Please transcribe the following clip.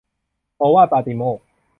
โอวาทปาติโมกข์